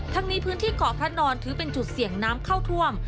ทั้งนี้พื้นที่เกาะพระนอนถือเป็นจุดเสี่ยงน้ำเข้าท่วม